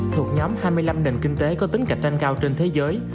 thuộc nhóm hai mươi năm nền kinh tế có tính cạnh tranh cao trên thế giới